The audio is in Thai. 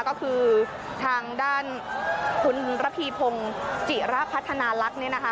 ก็คือทางด้านคุณระพีพงศ์จิระพัฒนาลักษณ์เนี่ยนะคะ